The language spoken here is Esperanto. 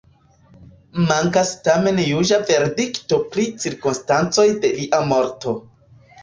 Mankas tamen juĝa verdikto pri cirkonstancoj de lia morto.